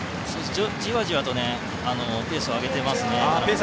じわじわとペースを上げていますね。